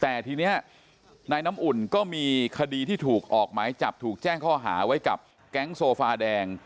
แต่ทีนี้นายน้ำอุ่นก็มีคดีที่ถูกออกหมายจับถูกแจ้งข้อหาไว้กับแก๊งโซฟาแดง